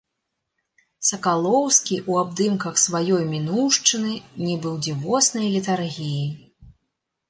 Сакалоўскі ў абдымках сваёй мінуўшчыны, нібы ў дзівоснай летаргіі.